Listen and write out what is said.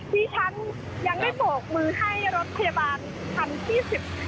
ที่ฉันยังได้ปรบมือให้รสพยาบาลธรรมที่๑๐